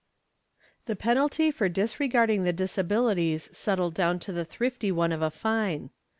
The penalty for disregarding the disabilities settled down to the thrifty one of a fine.